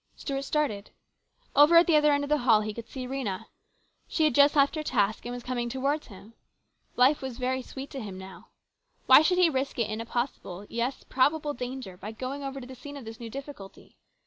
Stuart started. Over at the other end of the hall he could see Rhena. She had just left her task, and THE CONFERENCE. 261 was coming towards him. Life was very sweet to him now. Why should he risk it in a possible, yes, probable danger, by going over to the scene of this new difficulty.